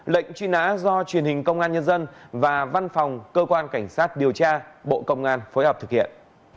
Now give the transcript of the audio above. lệnh truy nã do truyền hình công an nhân dân và văn phòng cơ quan cảnh sát điều tra bộ công an phối hợp thực hiện